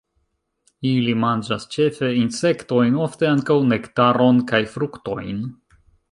Ili manĝas ĉefe insektojn, ofte ankaŭ nektaron kaj fruktojn.